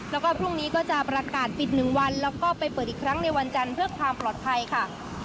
แล้วก็พรุ่งนี้ก็จะประกาศปิด๑วันแล้วก็ไปเปิดอีกครั้งในวันจันทร์เพื่อความปลอดภัยค่ะ